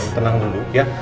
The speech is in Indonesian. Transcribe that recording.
tenang dulu ya